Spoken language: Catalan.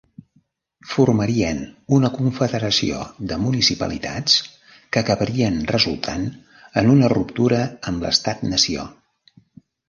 Formarien una confederació de municipalitats que acabarien resultant en una ruptura amb l'Estat-nació.